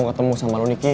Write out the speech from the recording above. mau gue ketemu sama lo niki